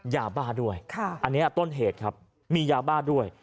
ยาบ้าด้วยอันนี้ต้นเหตุครับมียาบ้าด้วย